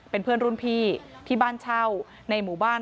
เป็นเพื่อนรุ่นพี่ที่บ้านเช่าในหมู่บ้าน